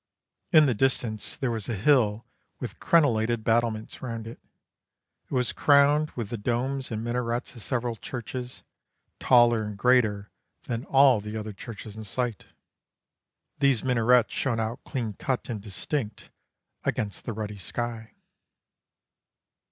In the distance there was a hill with crenelated battlements round it; it was crowned with the domes and minarets of several churches, taller and greater than all the other churches in sight. These minarets shone out clean cut and distinct against the ruddy sky.